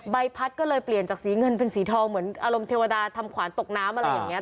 ใบพัดก็เลยเปลี่ยนจากสีเงินเป็นสีทองเหมือนอารมณ์เทวดาทำขวานตกน้ำอะไรอย่างนี้